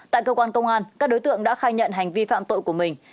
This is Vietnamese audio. tại cơ quan công an các đối tượng đã khai nhận hành vi phạm tội của mình